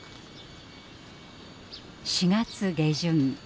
４月下旬。